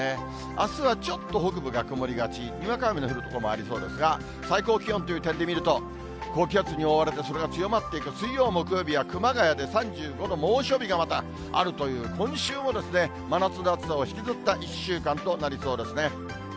あすはちょっと北部が曇りがち、にわか雨の降る所もありそうですが、最高気温という点で見ると、高気圧に覆われてそれが強まっていく、水曜、木曜日は熊谷で３５度、猛暑日がまたあるという、今週も真夏の暑さを引きずった１週間となりそうですね。